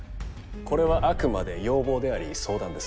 これはあくまで要望であり相談です。